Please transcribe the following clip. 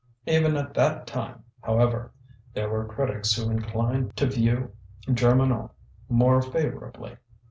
Even at that time, however, there were critics who inclined to view Germinal more favourably.